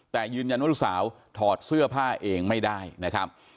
แต่ยืนยันว่าลูกสาวถอดเสื้อผ้าเองไม่ได้นะครับ